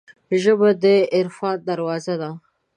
ژبه د عرفان دروازه ده